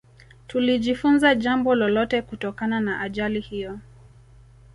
Tulijifunza jambo lolote kutokana na ajali hiyo